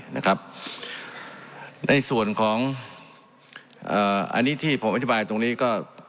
ในส่วนของอันนี้ที่ผมอธิบายตรงนี้ก็